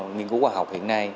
nhiên cứu khoa học hiện nay